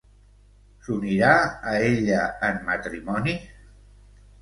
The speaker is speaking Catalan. S'unirà a ella en matrimoni?